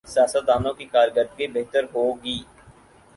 سیاستدانوں کی کارکردگی بہتر ہو گی۔